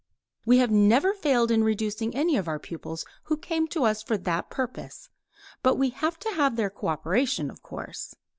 ] We have never failed in reducing any of our pupils who came to us for that purpose, but we have to have their coöperation, of course.